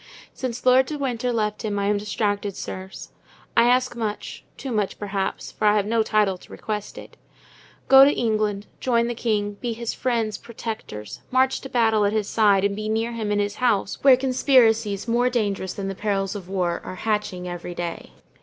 Since Lord de Winter left him I am distracted, sirs. I ask much, too much, perhaps, for I have no title to request it. Go to England, join the king, be his friends, protectors, march to battle at his side, and be near him in his house, where conspiracies, more dangerous than the perils of war, are hatching every day.